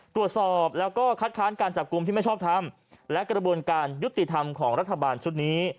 ตรวจสอบแล้วก็คัดค้านการจับกลุ่มที่ไม่ชอบทำและกระบวนการยุติธรรมของรัฐบาลชุดนี้